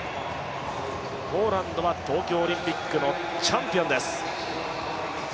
ポーランドは東京オリンピックのチャンピオンです。